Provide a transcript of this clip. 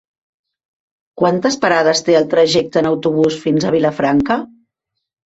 Quantes parades té el trajecte en autobús fins a Vilafranca?